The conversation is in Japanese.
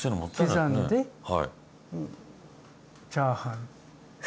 刻んでチャーハン。